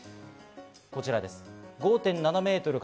こちらです。